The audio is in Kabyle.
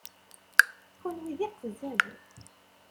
Kenwi d iqezzaben!